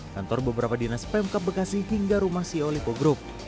kantor beberapa dinas pemkap bekasi hingga rumah ceo lipo group